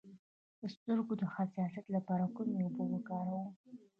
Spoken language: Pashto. د سترګو د حساسیت لپاره کومې اوبه وکاروم؟